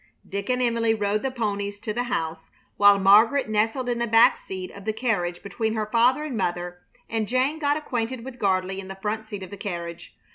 Dick and Emily rode the ponies to the house, while Margaret nestled in the back seat of the carriage between her father and mother, and Jane got acquainted with Gardley in the front seat of the carriage.